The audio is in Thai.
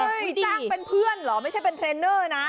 ใช่จ้างเป็นเพื่อนเหรอไม่ใช่เป็นเทรนเนอร์นะ